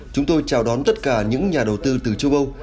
chúng tôi chào đón tất cả những nhà đầu tư từ châu âu